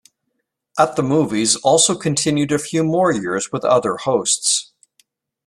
"At the Movies" also continued a few more years with other hosts.